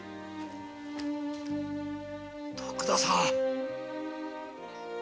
徳田さん！？